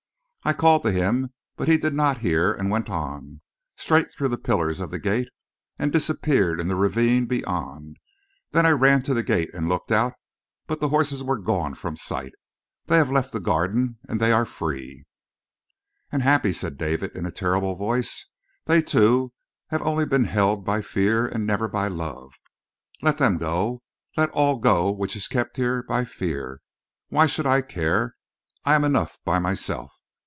I called to him, but he did not hear and went on, straight through the pillars of the gate, and disappeared in the ravine beyond. Then I ran to the gate and looked out, but the horses were gone from sight they have left the Garden they are free " "And happy!" said David in a terrible voice. "They, too, have only been held by fear and never by love. Let them go. Let all go which is kept here by fear. Why should I care? I am enough by myself.